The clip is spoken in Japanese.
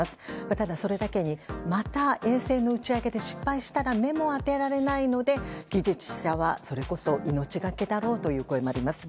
ただそれだけにまた衛星の打ち上げに失敗したら目も当てられないので技術者は、それこそ命がけだろうという声もあります。